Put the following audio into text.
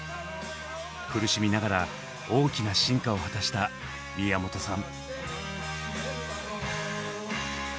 苦しみながら大きな進化を果たした宮本さん。